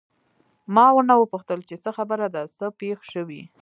ما ورنه وپوښتل چې څه خبره ده، څه پېښ شوي؟